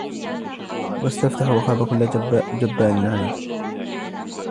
وَاسْتَفْتَحُوا وَخَابَ كُلُّ جَبَّارٍ عَنِيدٍ